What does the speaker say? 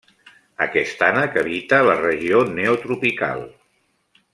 Aquest ànec habita la regió neotropical.